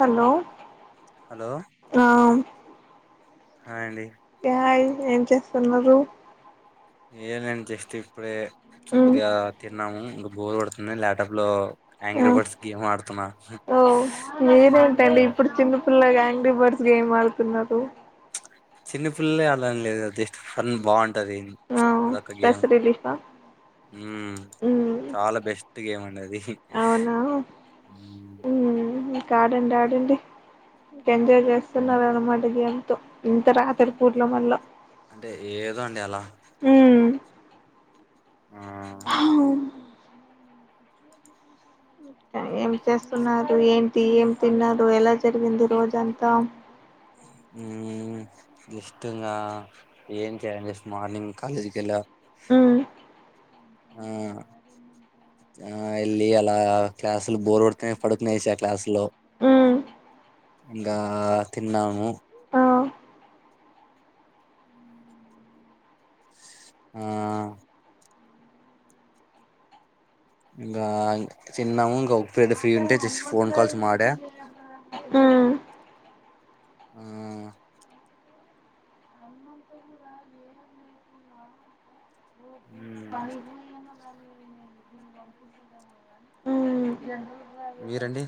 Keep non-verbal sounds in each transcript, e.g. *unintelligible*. Hello hello ఆ hi అండి ఆయ్ ఏం చేస్తున్నరు ఏలని జస్ట్ ఇప్పుడే మ్మ్ కొదిగా తిన్నామూ బోర్ గొడ్తుంది ల్యాప్టాప్లో ఆ ఆంగ్రీబర్ట్స్ గేమ్ ఆడుతున్నా ఓ పుల్లాగా యాంగ్రీ బర్డ్స్ గేమ్ ఆడుతున్నారు చిన్న పిల్లే ఆడని లేదు కదా జస్ట్ ఫన్ బాగుంటది ఆ అదొక గేమ్ స్ట్రెస్ రిలీఫా ఉమ్మ్ మ్మ్ చాలా బెస్ట్ గేమ్ అండది అవునా ఉమ్ కా ఆడండి ఆడండి ఎంజాయ్ చేస్తున్నారు అన్నమాటకి గానీ తో ఇంత రాత్రి పూర్ లో మళ్ళ అంటే ఏదో అండి అలా మ్మ్ ఆ ఏం చేస్తున్నారు, ఏంటి, ఏం తిన్నారు, ఎలా జరిగింది రోజంతా. ఉమ్ జస్ట్ ఇంగ ఏం చేయాలే మార్నింగ్ కాలేజ్కి వెళ్ళ మ్మ్ ఆ ఆ వెళ్ళి అలా క్లాసులు బోర్ కొడితే పడుకునెస క్లాసు లో మ్మ్ ఇంకా తిన్నాము ఆ ఆ ఇంకా చిన్నాము ఇంకా ఒక ఫ్రెండ్ ఫ్రీ ఉంటే జస్ట్ ఫోన్ కాల్స్ మాడ మ్మ్ ఆ మ్మ్ పని ఉ మీరండి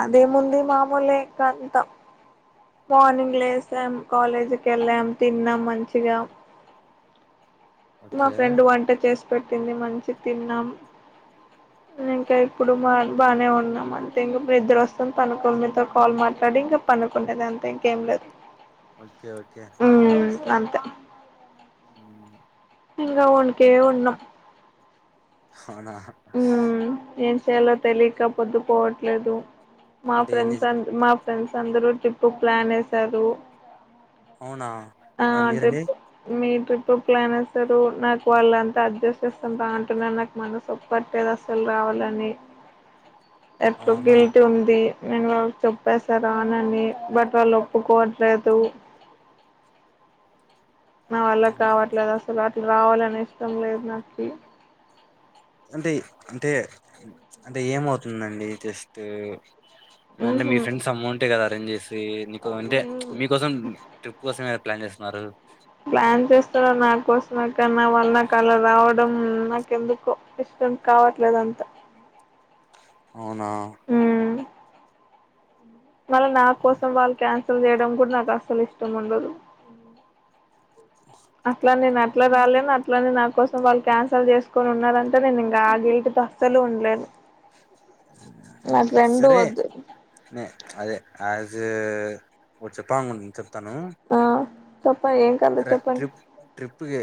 అదేముంది మామూలే ఇక అంత మార్నింగ్ లేసాం కాలేజీకి వెళ్ళాం తిన్నాం మంచిగా మా ఓకే ఫ్రెండ్ వంట చేస్ పెట్టింది మంచి తిన్నాం ఇంకా ఇప్పుడు మా బాగానే ఉన్నాం అంతే ఇంకప్పుడు ఇద్దరు వస్తుం పనుకొనీ మీతో కాల్ మాట్లాడి ఇంకా పనుకుండేది అంతే ఇంకేం లేదు ఓకే ఓకే ఉమ్ అంతే ఉ ఇంగ ఉనుకే ఉన్నాం అవున ఉమ్ ఏం చేయాలో తెలియక పొద్దుపోవట్లేదు మా అంటే ఏంది ఫ్రెండ్స్ ఆన్ మా ఫ్రెండ్స్ అందరు ట్రిప్ ప్లాన్ వేసారు అవునా ఆ మరి మీరండి ట్రిప్ మీ ట్రిప్ ప్లాన్ వేస్తారు నాకు వాళ్ళంత అడ్జస్ట్ చేస్తాను బాగుంటున్నారు నాకు మనసు పట్టేది అసలు రావాలని ఏట్లో అవునా గిల్టీ ఉంది నేను వాళ్ళు చెప్పేశా రానాని బట్ వాళ్ళు ఒప్పుకోవట్లేదు నా వాళ్ల అవునా. కావట్లేదు అసలు అటు రావాలని ఇష్టం లేదు నాకి అంటే అంటే అంటే ఏమవుతుందండి జస్ట్ అంటే ఉహు మీ ఫ్రెండ్స్ అమ్మ ఉంటే కా అరేంజ్ చే నీకో అంటే మీకోసం ట్రిప్ కోసం ప్లాన్ చేస్తున్నారు ప్లాన్ చేస్తన్నారు నా కోసం కానా వాళ్ళ నా కలా రావడం నాకెందుకు ఇష్టం కావట్లేదంతా అవునా? మళ్ళ నా కోసం వాళ్ళు క్యాన్సల్ చేయడం కూడా నాకు అస్సలు ఇష్టం ఉండదు అట్లా నేను అట్లా రాలేను అట్లనే నా కోసం వాళ్ళు క్యాన్సల్ చేసుకొని ఉన్నారంటే నేను ఇంకా ఆ గిల్టుతో అస్సలు ఉండలేను నాకు రెండూ వద్దు అజ వ చెప్పాంగ్ంత్ తను ఆ చెప్పండి ఏం కావాలో రె చెప్పండి ట్రిప్ ట్రిప్ కి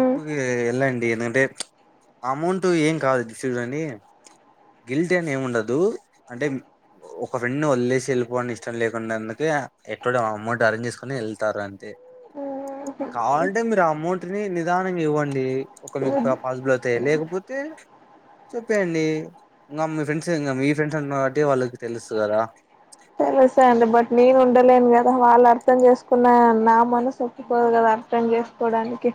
ఉమ్ కి ఎల్లండి అ ఎందంటే ఆ అమౌంట్ ఏం కాదు చూడండి గిల్టీ అని ఏమి ఉండదు అంటే ఒక ఫ్రెండ్ని వదిలేసి వెళ్ళిపోనికి ఇష్టం లేకుండాందుకే ఎక్కడ అమౌంట్ అరేంజ్ చేసుకుని వెళ్తారు అంతే కావాలంటే మీరు ఆ అమౌంట్ ని నిదానంగా ఇవ్వండి. ఒక మీకు పాసిబుల్ అవుతే లేకపోతే చెప్పేయండి. ఇంకా మీ ఫ్రెండ్స్ ఇంకా మీ ఫ్రెండ్స్ అంటున్నారు కాబట్టి వాళ్ళకి తెలుసు కదా! తెలుసా అండి బట్ నేను ఉండలేను కదా వాళ్ళు అర్థం చేసుకున్న నా మనసు ఒప్పుకోదు కదా అర్థం చేసుకోవడానికి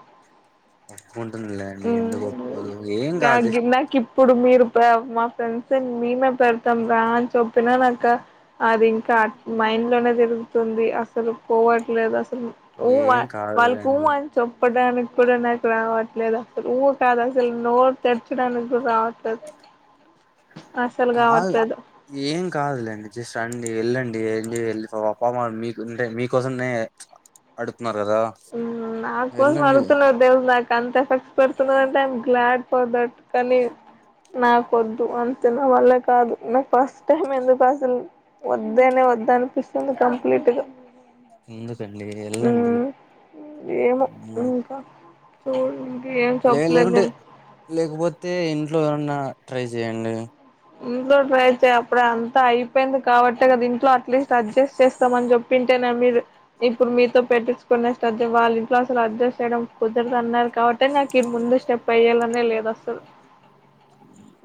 ఒప్పుకుంటుంగిది లే అండి ఎందుకు ఒప్పుకోదు ఏం కాదు నాకు జస్ నాకు ఇప్పుడు మీరు మా ఫ్రెండ్స్ మేమే పెడతాం రా అని చెప్పినా నాక అది ఇంకా మైండ్ లోనే తిరుగుతుంది అసలు పోవట్లేదు అస ఊ ఏం వాళ్ళకి ఊ కాదులేండి అని చెప్పు చెప్పడానికి కుడా నాకు రావట్లేదు ఊ కాదు అసలు నోరు తెర్చడానికి కూడా రావట్లేదు అస్సలు కాదు కావట్లేదు ఏం కాదులేండి జస్ట్ అండి వెళ్ళండి ఎంజాయ్ పామా మీకంటే మీకోసమే అడు నాకోసం వెళ్తున్నారు దేవదాక అంత ఎఫెక్ట్స్ పెడుతున్నారంటే ఐయామ్ గ్లాడ్ ఫర్ దట్ కానీ నాకు వద్దు అంత నావల్ల కాదు నాకు ఫస్ట్ టైం ఎందుకు అసలు వద్దేనే వద్దు అనిపిస్తుంది కంప్లీట్ గా ఎందుకండి వెళ్ళండి ఏమో ఇంకా తోలున్ ఏం తప్పులేదు లేండి అయితే ఇంట్లో ఎవరన్నా ట్రై చెయ్యండి ఇంట్లో ట్రై చే అప్పుడే అంతా అయిపోయింది కాబట్టి కదా ఇంట్లో అట్లీస్ట్ అడ్జస్ట్ చేస్తామని చెప్పింటేనా మీరు ఇప్పుడు మీతో పెట్టించుకునే వాళ్ళ ఇంట్లో అసలు అడ్జస్ట్ చేయడం కుదరదు అన్నారు. కాబట్టి నాకు ఈ ముందు స్టెప్ వెయ్యాలని లేదు అస్సలు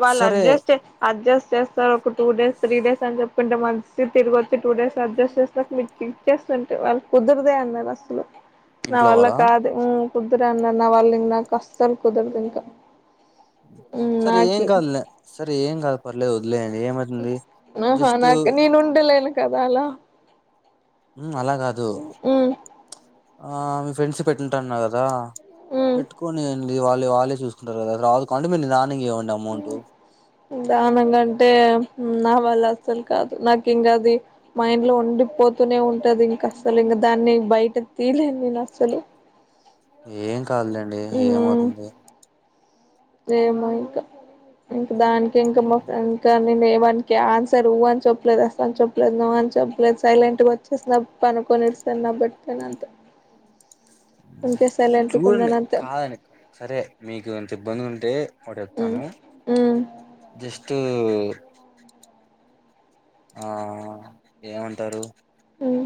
వాళ్లు సరే అడ్జస్ట్. అడ్జస్ట్ చేస్తారు, ఒక టూ డేస్, త్రీ డేస్ అని జెప్తుంటే, మంచిగా తిరిగొచ్చి టూ డేస్‌ల అడ్జస్ట్ చేస్తక్, మేకి ఇచ్చేస్తుంటే, వాళ్లు కుదరదే అన్నారు అసలు. నా ఇంట్లో వల్ల వాళ్ళ కాదు ఉూ? ఒద్దురా అన్నారు మా వాళ్లు. ఇంకా నాకు అసలు కుదరదు ఇంకా. సరే ఏం నాకి కాదులే. సరే ఏం కాదు, పర్లేదు వదిలేయండి. ఏమైతుంది ఆహా, జస్ట్ నాక్ నేనుంటాలే. కదా అలా! ఉమ్ అలా కాదు? ఉమ్ ఆ, మీ ఫ్రెండ్స్ పెట్టింటారు అన్నారు కదా? ఉమ్ పెట్టుకోనియాన్. నీది వాళ్లే వాళ్లే చూసుకుంటారు కదా, రాదు కండోన్మెంట్ రా. హ్మ్, దానికంటే నా వల్ల అసలు. అసలు కాదు. నాకు ఇంకా అది మైండ్‌లో ఉండిపోతూనే ఉంటుంది. ఇంకా అసలు ఇంకా దాన్ని బయటకి తీయలేను నేను, అసలు. ఏం కాదులే అండి. ఏం అవుతుంది? ఏమో ఇంకా. ఇంకా దానికి ఇంకా మా ఫ్రెండ్స్ కానీ, నేను. వానికే ఆన్సరు ఊ అని చెప్పలేదు. అసలు చెప్పలేదు, నో అని చెప్పలేదు. సైలెంట్‌గా వచ్చేసిన పనుకొని ఏడుస్తున్నా బెడ్ పైన అంతా. చూడండి, కాదనక. సరే, మీకు అంత ఇబ్బంది ఉం. టే. ఒకటి ఉమ్ జెప్తాను ఉమ్ జస్ట్. కిందికి పోయిరు. ఆ ఏమంటారు? ఉమ్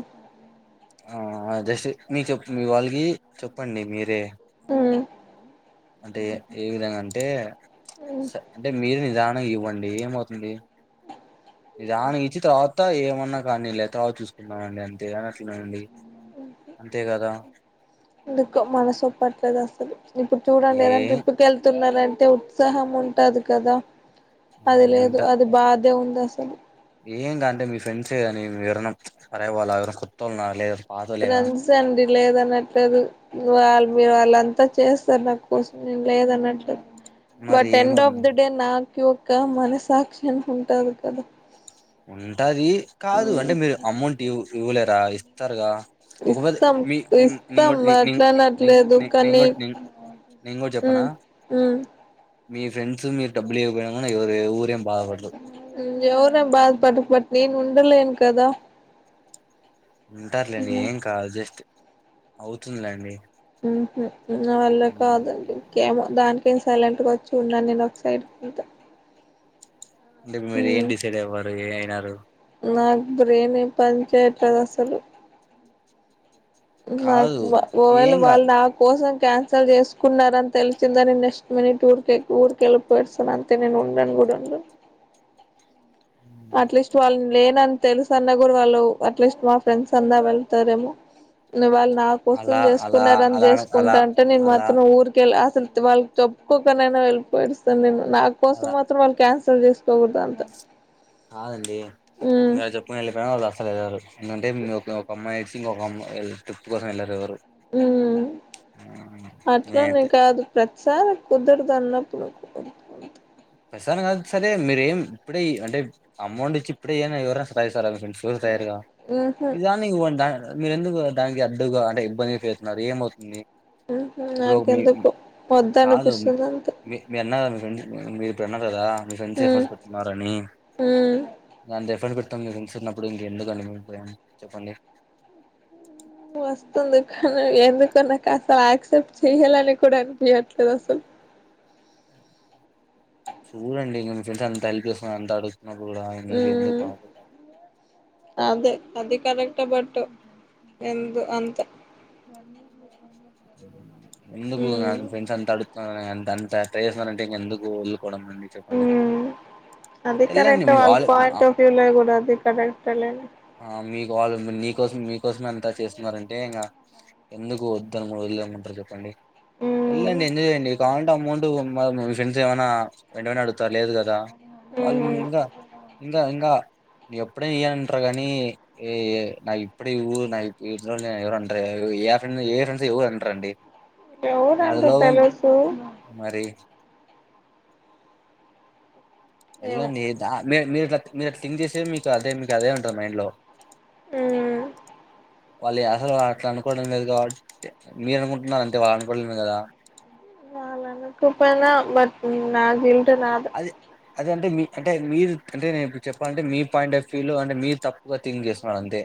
ఆ జస్ట్ నీ చెప్, మీ వాళ్లకి చెప్పండి మీరే. హ్మ్. అంటే ఏ విధంగా అంటే? ఉమ్ స అంటే మీరు నిదానం. నా ఇవ్వండి. ఏం అవుతుంది? నిదానంగా ఇచ్చి తర్వాత్. తా ఏమన్నా కానీ లే, తర్వాత చూసుకుందామండి. అంటే అని అట్లనే అండి. ఎందుకో మనసు ఒప్పట్లేదు అసలు. ఇప్పుడు చూడండి, ఏదైనా ఏం ట్రిప్‌కి ఎళ్తున్నరా అంటే? టే ఉత్సాహం ఉంటది కదా? అది లేదు, ఉంటా అది బాధ. దే ఉంద అసలు. ఏం కాదు లే అంటే మీ ఫ్రెండ్స్ ఏ కాని విరన్నాం పరే వాళ్ళు ఆర కొత్త వాళ్ళులేదు ఫ్రెండ్స్ అండి లేద అనట్లేదు వాళ మీరు వాళ్ళంతా చేస్తారు నాకు కోసం నేను లేదన్నట్లే మరి బట్ ఎండ్ ఆఫ్ ఏమవుతుంది ద డే నక్ ఒక మనసాక్షిం ఉంటంది కదా ఉంటది కాదు అంటే మ్ మీరు అమౌంట్ ఇవ ఇవ్వలేరా ఇస్తారుగా ఒకవేళ ఇస్తాం మీ నేను ఇస్తాం కూడా అట్లానట్లేదు నేను కానీ కూడా నేను కూడా ఉ చెప్పనా ఉ మీ ఫ్రెండ్స్ మీ డబ్బులుపోయి ఊరు అయ్యో నేను బట్ బట్ నేను ఉండలేను కదా ఉంటారులేండి మ్ ఏం కాదు జస్ట్ అవుతుందిలేండి ఉహ నా వాళ్ళ కాదు అద ఇంకా ఏమో దానికి న్ సైలెంట్గా వచ్చి ఉన్నాను నేను ఒక సైడ్కుా అంటే మీరు ఏం డిసైడ్వ ఏ అయినారు నాకు బ్రేని పంచేట్దు అసలు నాకు కాదు ఒకఓవేళ ఏం కాదు వాళ్ళు నా కోసం కాన్సెల్ అసలు చేసుకున్నార అని తెలిసిందని నెక్స్ట్ మ టఊర్కి ఊరిక వెళ్ళిపోస్తాను అంతే నేను ఉండను కూడా ఉండను అట్లీస్ట్ వాళ్ళని లేనని తెలుస అన్న కూడా వాళ్ళు అట్లీస్ట్ మా ఫ్రెండ్స్ అంతా వెళ్తారేమో ఇంగ వాళ్ళు నా కోసం అలా అలా చేసుకున్నని అలా అలా చేసుకుంటా అంటే నేను అలా మాత్రం ఊరికెళ్ళి ఆ అస వాళ్ళకి చెప్పుకోకనైనా వెళ్ళిపోడుస్తాను నేను నా కోసం అలా మాత్రం వాళ్ళు క్యాన్ లు చేసుకోకూడదా అంత కాదండి ఉమ్ మీరు చెప్పుకుని వెళ్ళిపోయినా వాళ్ళు అస్సలు వెళ్ళారు ఎందుకంటే మీ ఒక అమ్యి ఇంచి ఇంకొక అమ్ ట్రిప్ కోసం వెళ్ళరు ఎవరు ఉ అట్లోనే నేనైతే కాదు ప్రతి సరే కుదరదు అన్నప్పుడు కుదరదు ప్రసాం కాదు సరే మీరేం ఇప్పుడే అంటే అమౌంట్ ఇచ్చ ఇప్పుడేనా ఎవరైనా సర యగా ఉహు ఇదిావ *inaudible* మీర ఎందుకు దానికి అడ్డుగా అంటే ఇబ్బంది ఫీలవుతున్నారు ఏమవుతుంది ఆహా ఇప్పుడు ఒక మీ నాకెందుకు వద్ద అనిపిస్తుంది అంత *inaudible* ఇప్పుడున్న కదా మీక ఎంత ఎఫర్ట్ పెట్టిన్నారు అని ఉమ్ దంత ఎఫర్ట్ పె మొత్తం లివింగ్స్ ఉన్నప్పుడు ఇంకెందుకు కండి మీ ప్రేమ చెప్పండి వస్తుంది కానీ ఎందుకొ నాకు అసలు ఆక్సెప్ట్ చెయ్యాలని కూడా అనిపియ్యట్లేదు అసలు చూడండి నేను ఫ్రెండ్స్ అంత తలి చేేసుకుని అంత అడుగ్ తున్న కూడా ఎందుకు ఎందుకు ఉమ్ పా కరెక్ట్ బట్ ఎందు అంతె ఎందుకు న ఫ్రెండ్స్ అంత అడుగుతున్న అన్ అంత టై చేస్తుారంటే ఇంక ఎందుకు కోడం అండీ చెప్పండి ఉమ్ అది ఎళండి కరెక్ట్ *unintelligible* వాళ్ళ ఆళ్ళ పాయింట్ ఆఫ్ వ్యూ లో కూడా అది కరెక్టే లేండి నీ కోసం మీ కోసం ఎంత చేస్తున్నరంటే ఇంగ ఎందుకు ఇద్దరు ఊళ్లే ఏమ్మంటారు చెప్పండి *inaudible* ఉమ్ ఎళ్ళండి ఎంజయ్ చేయండి కావలంటే అమౌం ప్పుడు మా మీ ఫ్రెండ్స్ ఏమైనా వెంటనే అడుతారు లేదు కదా వాళ్ళు ఉహు ఇంకా ఇంగ ఇంగ ఎప్పట్ ట్నే ఇయ్యి అంటారు కానీ యి నాకు ఇప్పుడే ఇవ్వు *unintelligible* ఎవరు అంటారు ఏ ఫ్రెండ్ ఏ ఫ్రెం ఏవరు అంట్రాండి ఎవరంటే తెలుసు మరి ఏమో ఎలండి దా మీ మీరిట్ల మీరు అది థింక్ చేసే మీకు అదే మీకు అదే ఉంటది మైండ్ లో ఊమ్ వాళ్ళే అసలు అట్లా అనుకోవడం లేదు కాబట్ మీరు అనుకుంటున్నారు అంతే వాళ్ళు అనుకోవడం లేదు కదా వాళ్లు అనకపోయినా బట్ నాకు ఇన్ నాదు అది అదే అంటే మీ అంటే మీరు అంటే నేను ఇప్పుడు చెప్పాలంటే మీ పాయింట్ ఆఫ్ వ్యూ లో అంటే మీరు తప్పుగా థింక్ చేస్తున్నారు అంతే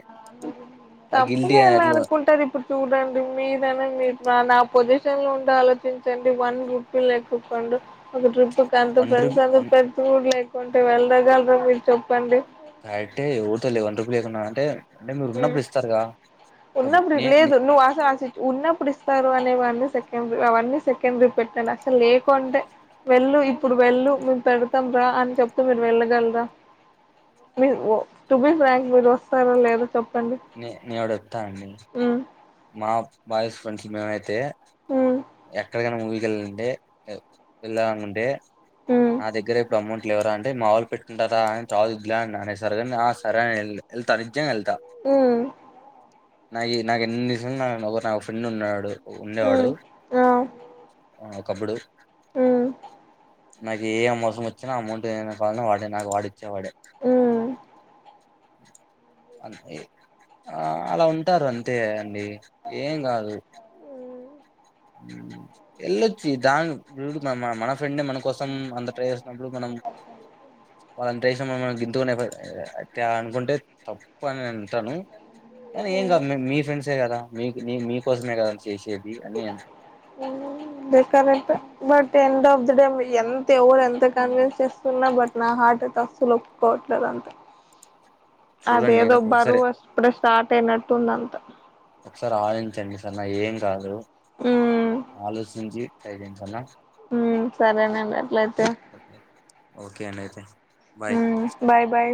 ఆ గిల్టీ తప్పుగా ఎలా అట్లా అనుకుంటారు ఇప్పుడు చూడండి మీరైనా మీరు మా నా పోసిషన్ ష్టం లో ఉండి ఆలోచించండి వన్ రూపీ లేక్కుపండు ఒక ట్రిప్ ప్ కంత వన్ రూపీ వన్ *unintelligible* లేకుంటే వెళ్ళగాల మీరు చెప్పండి కరెక్ట్ ఎ ఊత లే వన్ రూపులు లేకున్నా అంటే అంటే మీరు హు ఉన్నప్పుడు ఇస్తారుగా సపోజ్ ఉన్నప్పుడు నే నే లేదు నువ్వు ఆశ ఆ సి ఉన్నప్పుడు ఇస్తారు అనే వాన్ని సేక్ వీ అవన్నీ సెకండరీ పెట్టాం అసలు లేకుంటే వెళ్ళు ఇప్పుడు వెళ్ళు మేము పెడతాం రా అని చెప్తే మీరు వెళ్ళగలరా మీ టు బి ఫ్రాంక్ మీరు వస్తారా లేద నే నేనోటి చెప్తానండి ఉమ్ మా బాయ్స్ ఫ్రెండ్స్ మేమైతే ఉమ్ ఎక్కడికై నా మూవీ కెల్ట్ వెల్లలనుకుంటే ఉమ్ నా దగ్గర ఇప్పుడు అమౌం ఇట్ ఎవరా అంటే మావోళ్ళు *unintelligible* సరికి ఆ సరే ఎళ్తా మ్ నాకి నాక్ ఎన్ని నా ఒక ఫ్రెండ్ ఉన్నాడు. ఉండేవాడు. ఉమ్ ఆ ఒకప్పుడు మ్ నాకు ఏ అమౌ అవసరం వచ్చిన అమౌంట్ ఏనా కావాలన్న వాడే నాకు వాడిచ్చేవాడే మ్ అంతే ఆ అలా ఉంటారు అంతే అండి. ఏం కాదు. ఎళ్ళొచ్చి దాన్ వీడు మన ఫ్రెండే మన కోసం అంత ట్రై చేసినప్పుడు మనం వాళ్ళంతచేసిన మనం గింతుకని అనుకుంటే తప్పు అని నేను అంటాను. కని ఏం కాదు మీ ఫ్రెండ్సే కదా మీ మీ మీకోసమే కదా చేసేది అని అ కరెక్టే but end of the day ఎంత ఎవరు ఎంత కన్విన్స్ చేస్తున్నా బట్ నా హార్ట్ అయితే అస్సల్ ఒప్కోవట్లే అంతే చూడండి అదేదో ఒకసారి బరువా స్ప్రెస్ స్టార్ట్ అయినట్టుందంత ఒకసారి ఆడించండి సార్ నా ఏం రాదు అలోచించి ట్రై చేయండి సర్నా మ్ సరేనే రేప్ మాట్లడ్త ఓకే ఓకే అండి అయితే బాయ్ మ్ బాయ్ బాయ్